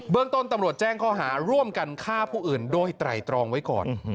เรื่องต้นตำรวจแจ้งข้อหาร่วมกันฆ่าผู้อื่นโดยไตรตรองไว้ก่อน